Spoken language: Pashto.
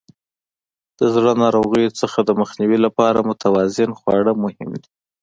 د زړه ناروغیو څخه د مخنیوي لپاره متوازن خواړه مهم دي.